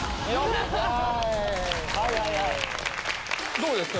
どうですか？